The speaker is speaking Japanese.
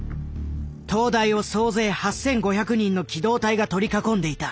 東大を総勢８，５００人の機動隊が取り囲んでいた。